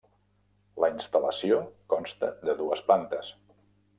La instal·lació consta de dues plantes.